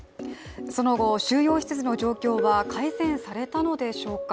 その後、収容施設の状況は改善されたのでしょうか。